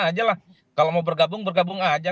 aja lah kalau mau bergabung bergabung aja